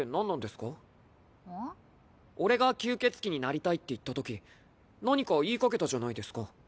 俺が吸血鬼になりたいって言ったとき何か言いかけたじゃないですか。